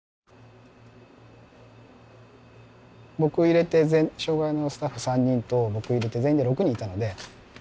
僕入れて障害のスタッフ３人と僕入れて全員で６人いたので。